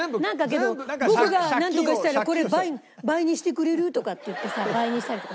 けど「僕がなんとかしたらこれ倍にしてくれる？」とかって言ってさ倍にしたりとかしてるんだよね絶対。